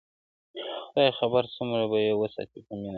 خداى خبر څومره به يې وساتې په مـيـــــنه يــــــــــاره